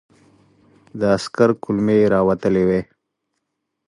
د عسکر کولمې را وتلې وې.